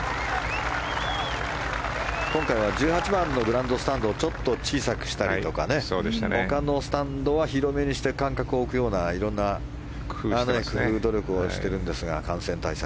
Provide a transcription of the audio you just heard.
今回は１８番のグランドスタンドをちょっと小さくしたりとかほかのスタンドは広めにして間隔を置くような色んな工夫、努力をしているんですが感染対策。